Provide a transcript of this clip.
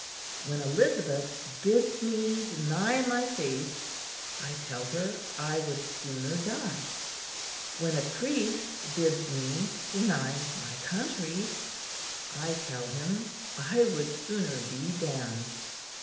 When Elizabeth bids me deny my faith, I tell her I would sooner die. When a priest bids me deny my country, I tell him I would sooner be damned."